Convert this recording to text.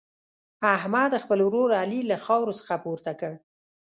احمد، خپل ورور علي له خاورو څخه پورته کړ.